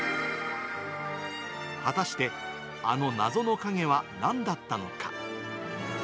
果たしてあの謎の影はなんだったのか。